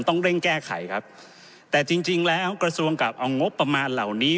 ต้องเร่งแก้ไขครับแต่จริงจริงแล้วกระทรวงกลับเอางบประมาณเหล่านี้